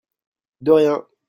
De rien !